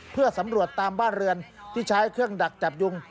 เพื่อสำรวจตามบ้านเรือนที่ใช้เครื่องดักจับยุง